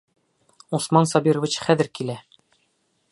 Усман Сабирович хәҙер килә.